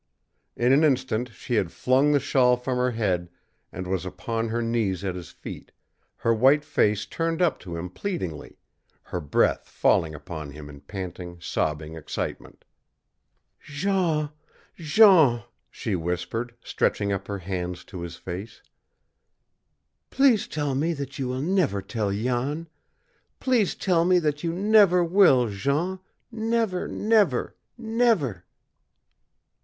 In an instant she had flung the shawl from her head and was upon her knees at his feet, her white face turned up to him pleadingly, her breath falling upon him in panting, sobbing excitement. "Jean, Jean!" she whispered, stretching up her hands to his face. "Please tell me that you will never tell Jan please tell me that you never will, Jean never, never, never!"